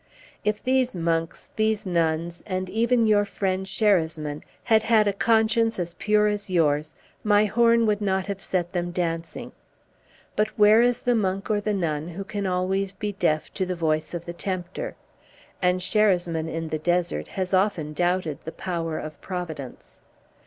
If these monks, these nuns, and even your friend Sherasmin, had had a conscience as pure as yours, my horn would not have set them dancing; but where is the monk or the nun who can always be deaf to the voice of the tempter, and Sherasmin in the desert has often doubted the power of Providence."